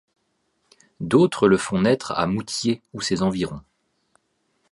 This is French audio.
D'autres le font naître à Moûtiers ou dans ses environs.